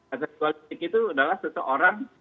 agas dualistik itu adalah seseorang